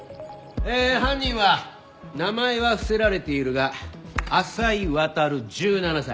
え犯人は名前は伏せられているが浅井航１７歳。